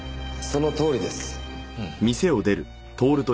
そのとおりです。